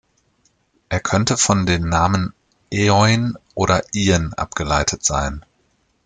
Er könnte von den Namen Eoin oder Ian abgeleitet sein.